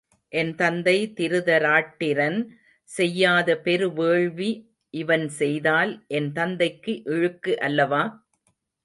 என் தந்தை திருதராட்டிரன் செய்யாத பெரு வேள்வி இவன் செய்தால் என் தந்தைக்கு இழுக்கு அல்லவா?